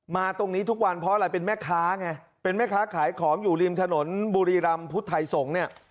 มาตรงนี้ทุกวันเป็นขาไขของอยู่ริมถนนบุรีรัมพุทธไทยสงฯ